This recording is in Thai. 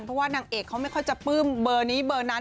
เพราะว่านางเอกเขาไม่ค่อยจะปลื้มเบอร์นี้เบอร์นั้น